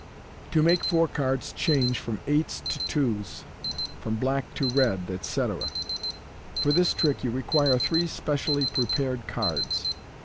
To make Four Cards change from Eights to Twos, from Black to Red, etc — For this trick you rt quire three specially pre pared cards.